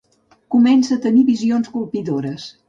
Comença a tenir visions colpidores.